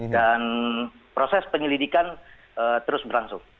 dan proses penyelidikan terus berlangsung